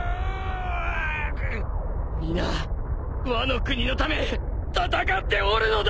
皆ワノ国のため戦っておるのだ！